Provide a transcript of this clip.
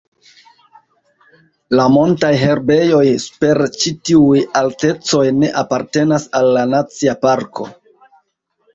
La montaj herbejoj super ĉi tiuj altecoj ne apartenas al la nacia parko.